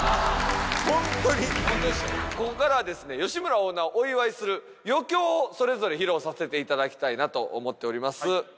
ここからはですね吉村オーナーをお祝いする余興をそれぞれ披露させていただきたいなと思っております。